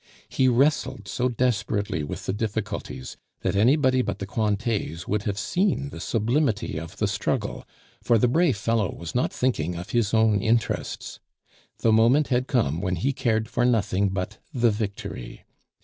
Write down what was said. He wrestled so desperately with the difficulties, that anybody but the Cointets would have seen the sublimity of the struggle, for the brave fellow was not thinking of his own interests. The moment had come when he cared for nothing but the victory.